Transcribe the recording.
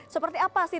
seperti apa sih